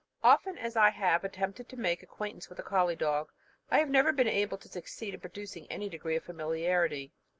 Often as I have attempted to make acquaintance with a colley dog, I have never been able to succeed in producing any degree of familiarity.